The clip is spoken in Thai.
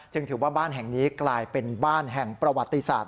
ถือว่าบ้านแห่งนี้กลายเป็นบ้านแห่งประวัติศาสต